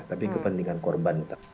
tapi kepentingan korban